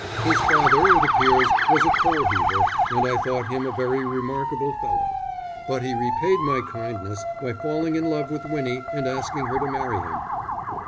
His father, it appears, was a coal heaver, and I thought him a very remarkable fellow. But he repaid my kindness by falling in love with Winnie and asking her to marry him."